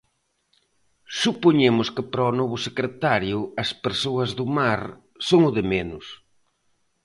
Supoñemos que para o novo secretario as persoas do mar son o de menos.